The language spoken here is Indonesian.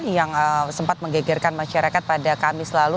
yang sempat menggegerkan masyarakat pada kamis lalu